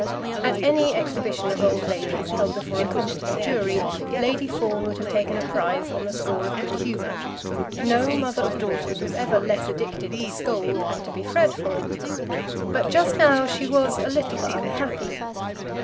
At any exhibition of old ladies, held before a competent jury, Lady Fawn would have taken a prize on the score of good humour. No mother of daughters was ever less addicted to scold and to be fretful. But just now she was a little unhappy.